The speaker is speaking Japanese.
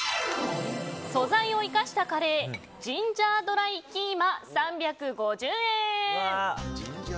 素材を生かしたカレージンジャードライキーマ３５０円。